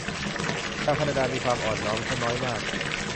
ชาวแคนาดามีความอ่อนน้อมน้อยมาก